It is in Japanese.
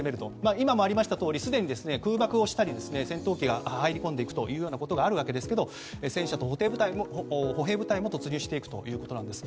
今もありましたとおりすでに空爆したり戦闘機が入り込んでいくことがあるわけですが戦車と歩兵部隊も突入していくということです。